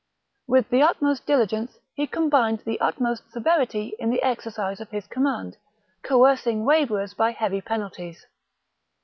With the utmost dili gence he combined the utmost severity in the exercise of his command, coercing waverers by heavy penalties.